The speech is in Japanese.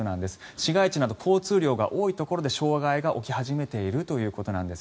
市街地など交通量が多いところで障害が起き始めているということです。